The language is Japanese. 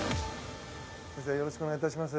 先生よろしくお願いいたします。